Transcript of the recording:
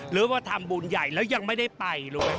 หรือว่าทำบุญใหญ่แล้วยังไม่ได้ไปเลย